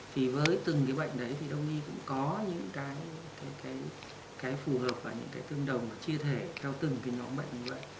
thì với từng cái bệnh đấy thì đông y cũng có những cái phù hợp và những cái tương đồng chia thể theo từng cái nhóm bệnh như vậy